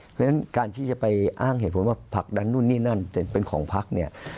เพราะฉะนั้นการที่จะไปอ้างเหตุผลว่าผลักดันนู่นนี่นั่นเป็นของพักเนี่ย